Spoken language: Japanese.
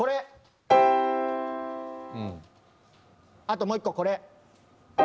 あともう１個これ。